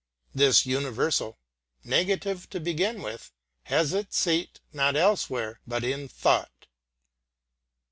This universal, negative to begin with, has its seat not elsewhere than in thought.